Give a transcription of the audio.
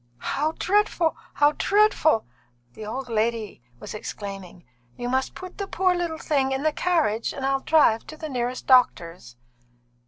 "How dreadful! how dreadful!" the old lady was exclaiming. "You must put the poor little thing in the carriage, and I'll drive to the nearest doctor's."